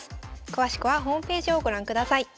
詳しくはホームページをご覧ください。